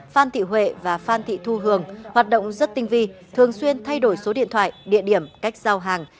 phan thị huệ và phan thị thu hường hoạt động rất tinh vi thường xuyên thay đổi số điện thoại địa điểm cách giao hàng